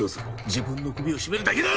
自分の首を絞めるだけだ！